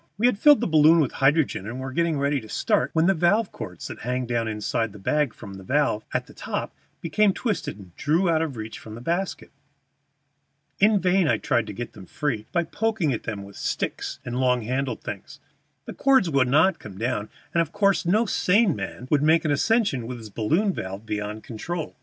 We had filled the balloon with hydrogen, and were just ready to start when the valve cords that hang down inside the bag from the valve at the top became twisted and drew up out of reach from the basket. In vain I tried to get them free by poking at them with sticks and long handled things; the cords would not come down, and of course no sane man would make an ascension with his balloon valve beyond control.